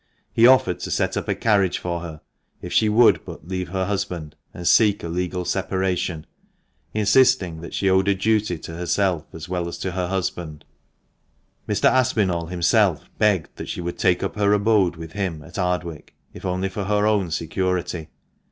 He offered to set up a carriage for her, if she would but THE MANCHESTER MAN. 437 leave her husband, and seek a legal separation, insisting that she owed a duty to herself, as well as to her husband. Mr. Aspinall himself begged that she would take up her abode with him, at Ardwick, if only for her own security.